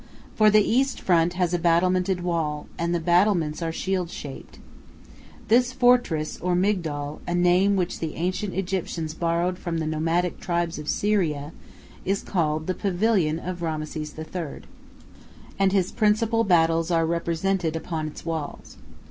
For the east front has a battlemented wall, and the battlements are shield shaped. This fortress, or migdol, a name which the ancient Egyptians borrowed from the nomadic tribes of Syria, is called the "Pavilion of Rameses III.," and his principal battles are represented upon its walls.